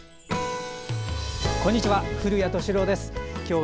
こんにちは。